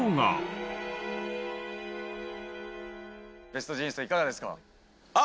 ベストジーニストいかがですか？